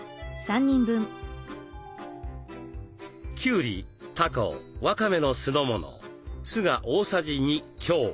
きゅうりたこわかめの酢の物酢が大さじ２強。